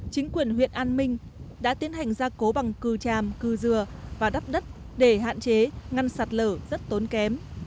chính quyền huyện an minh đã tiến hành gia cố bằng cư tràm cư dừa và đắp đất để hạn chế ngăn sạt lở rất tốn kém